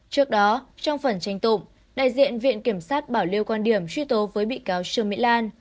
trước đó trong phần tranh tụng đại diện viện kiểm sát bảo lưu quan điểm truy tố với bị cáo trương mỹ lan